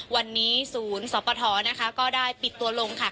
วันนี้ศูนย์สวปทก็ได้ปิดตัวลง